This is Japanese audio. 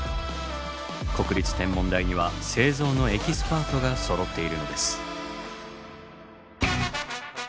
国立天文台には製造のエキスパートがそろっているのです。